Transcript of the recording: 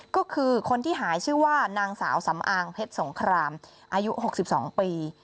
ก็คือคนที่หายชื่อว่านางสาวสำอางเพชรสงครามอายุ๖๒ปี